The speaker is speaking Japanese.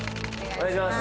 お願いします